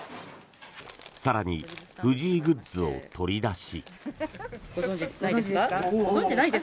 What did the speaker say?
更に、藤井グッズを取り出し。